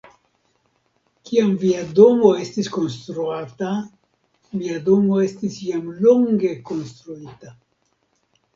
Kiam via domo estis konstruata, mia domo estis jam longe konstruita.